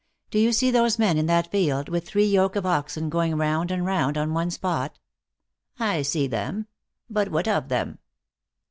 " Do you see those men in that field, with three yoke of oxen going round and round on one spot ?"" I see them. But what of them